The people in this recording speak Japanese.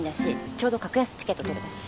ちょうど格安チケット取れたし。